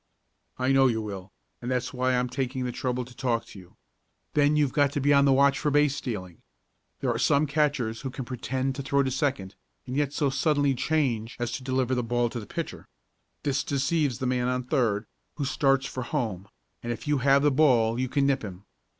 "I know you will, and that's why I'm taking the trouble to talk to you. Then you've got to be on the watch for base stealing. There are some catchers who can pretend to throw to second, and yet so suddenly change as to deliver the ball to the pitcher. This deceives the man on third, who starts for home, and if you have the ball you can nip him.